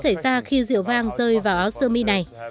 điều gì sẽ xảy ra khi rượu vang rơi vào áo sơ mi này